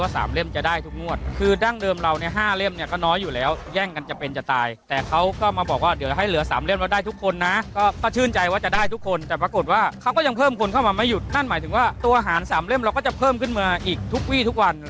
สถาน๓เล่มเราก็จะเพิ่มขึ้นมาอีกทุกวี่ทุกวัน